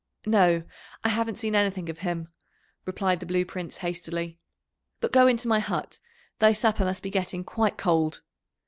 "No, I haven't seen anything of him," replied the Blue Prince hastily. "But go into my hut, thy supper must be getting quite cold."